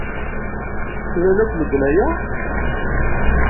Slan akk medden aya?